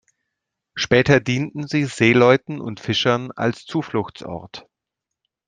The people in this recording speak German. Später dienten sie Seeleuten und Fischern als Zufluchtsort.